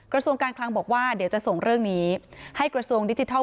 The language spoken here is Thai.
กระทรวงการคลังบอกว่าเดี๋ยวจะส่งเรื่องนี้ให้กระทรวงดิจิทัล